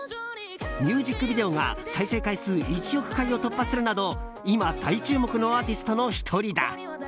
ミュージックビデオが再生回数１億回を突破するなど今、大注目のアーティストの１人だ。